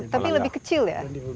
tapi lebih kecil ya